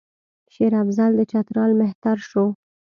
شېر افضل د چترال مهتر شو.